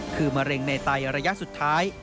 คือมะเร็งในไตระยะสุดท้าย